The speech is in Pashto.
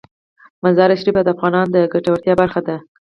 مزارشریف د افغانانو د ګټورتیا برخه ده.